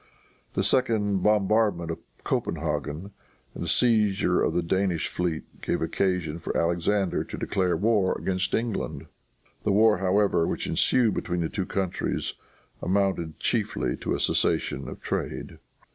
The second bombardment of Copenhagen, and the seizure of the Danish fleet gave occasion for Alexander to declare war against England. The war, however, which ensued between the two countries, amounted chiefly to a cessation of trade.